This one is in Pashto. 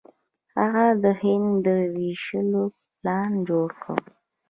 هغه د هند د ویشلو پلان جوړ کړ.